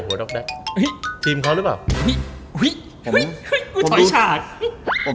จะมีมาเนี่ย